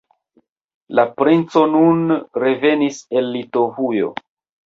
La princo nun revenis el Litovujo.